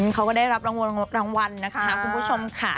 เขาก็ได้รับรางวัลนะคะคุณผู้ชมค่ะ